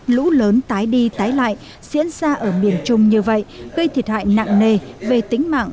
lũ lớn tái đi tái lại diễn ra ở miền trung như vậy gây thiệt hại nặng nề về tính mạng